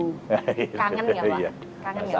kangen ya pak